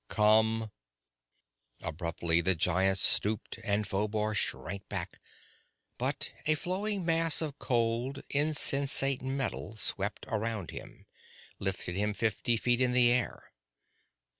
"Come!" Abruptly the giant stooped, and Phobar shrank back, but a flowing mass of cold, insensate metal swept around him, lifted him fifty feet in the air.